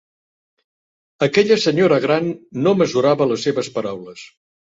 Aquella senyora gran no mesurava les seves paraules.